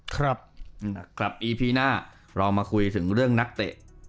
กลับอีพีหน้าเรามาคุยถึงเรื่องนักเตะ